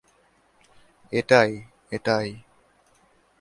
এটাই, এটাই।